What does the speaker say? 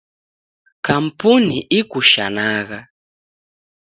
Kampuni ikushanagha.